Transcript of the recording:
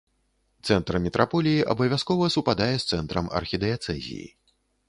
Цэнтр мітраполіі абавязкова супадае з цэнтрам архідыяцэзіі.